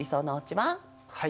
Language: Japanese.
はい。